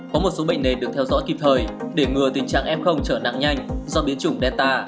có một số bệnh nền được theo dõi kịp thời để ngừa tình trạng f trở nặng nhanh do biến chủng delta